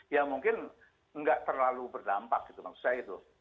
ya mungkin nggak terlalu berdampak gitu maksud saya itu